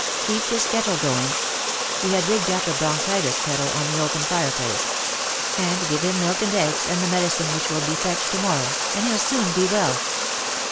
Keep this kettle going" — we had rigged up a bronchitis kettle on the open fireplace — and give him milk and eggs and the medicine which will be fetched to morrow, and he'll soon be well."